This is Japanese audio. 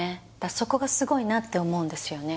そこがすごいなって思うんですよね